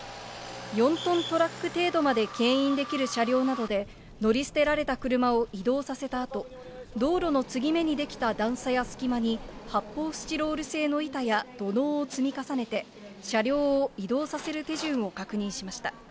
４トントラック程度までけん引できる車両などで乗り捨てられた車を移動させたあと、道路の継ぎ目に出来た段差や隙間に発泡スチロール製の板や土のうを積み重ねて、車両を移動させる手順を確認しました。